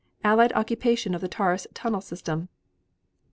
Allied occupation of the Taurus Tunnel system.